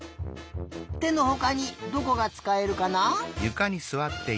てのほかにどこがつかえるかな？